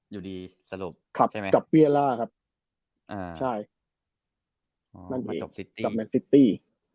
อยู่ดีสรุปใช่ไหมครับครับครับอ่าใช่อ๋อมาจบสิตี้สิตี้